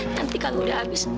nanti kalau udah habis